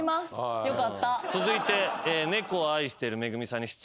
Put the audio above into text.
続いて。